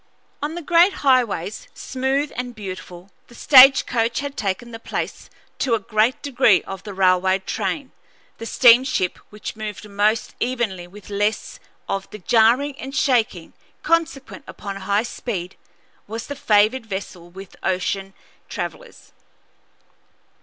On the great highways, smooth and beautiful, the stage coach had taken the place to a great degree of the railroad train; the steamship, which moved most evenly and with less of the jarring and shaking consequent upon high speed, was the favored vessel with ocean travellers.